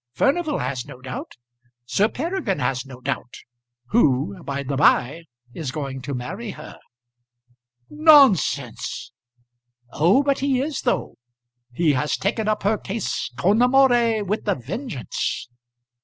Furnival has no doubt. Sir Peregrine has no doubt, who, by the by, is going to marry her." "Nonsense!" "Oh, but he is though. He has taken up her case con amore with a vengeance."